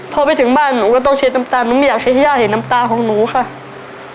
พอไปถึงบ้านหนูก็ต้องเช็ดน้ำตาหนูไม่อยากให้ย่าเห็นน้ำตาของหนูค่ะ